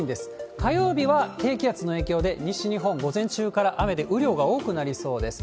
火曜日は低気圧の影響で西日本、午前中から雨で雨量が多くなりそうです。